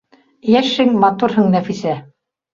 — Йәшһең, матурһың, Нәфисә